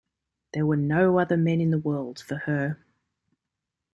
There were no other men in the world for her.